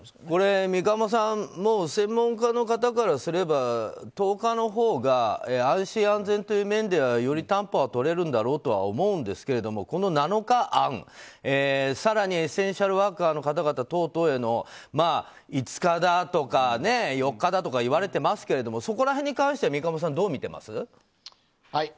これ、三鴨さん専門家の方からすれば１０日のほうが安心・安全という面ではより担保はとれるんだろうとは思うんですけれどもこの７日案、更にエッセンシャルワーカーの方々等々への５日だとか４日だとかいわれてますけどそこら辺に関しては三鴨さん、どう見てます？